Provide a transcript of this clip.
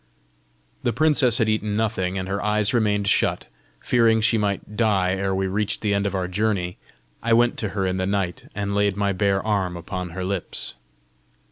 The princess had eaten nothing, and her eyes remained shut: fearing she might die ere we reached the end of our journey, I went to her in the night, and laid my bare arm upon her lips.